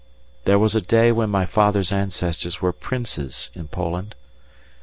There was a day when my father's ancestors were Princes in Poland.